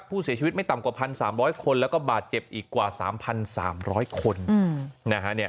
ผู้เสียชีวิตไม่ต่ำกว่า๑๓๐๐คนแล้วก็บาดเจ็บอีกกว่า๓๓๐๐คนนะฮะ